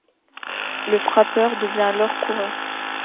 Le frappeur devient alors coureur.